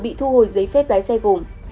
bị thu hồi giấy phép lái xe gồm